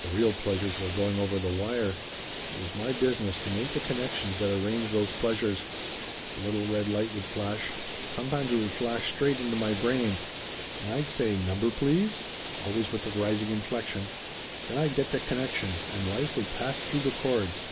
"The real pleasures were going over the wire. It was my business to make the connections that arrange those pleasures. A little red light would flash sometimes it would flash straight into my brain and I'd say 'Number, please?' always with the rising inflection. Then I'd get the connection and Life would pass through the cords.